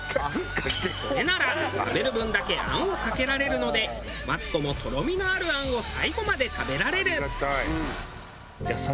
これなら食べる分だけ餡をかけられるのでマツコもとろみのある餡を最後まで食べられる。